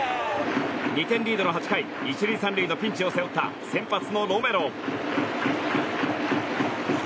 ２点リードの８回１塁３塁のピンチを背負った先発のロメロ。